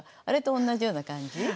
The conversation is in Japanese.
あれと同じような感じ。